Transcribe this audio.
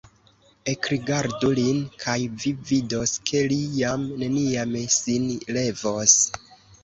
Ekrigardu lin, kaj vi vidos, ke li jam neniam sin levos.